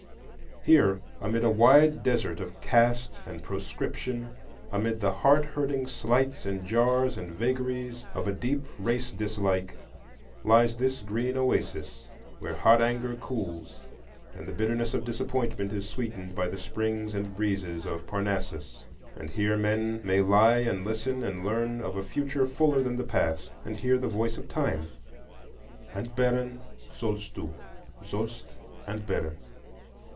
Here, amid a wide desert of caste and proscription, amid the heart hurting slights and jars and vagaries of a deep race dislike, lies this green oasis, where hot anger cools, and the bitterness of disappointment is sweetened by the springs and breezes of Parnassus; and here men may lie and listen, and learn of a future fuller than the past, and hear the voice of Time: "Entbehren sollst du, sollst entbehren."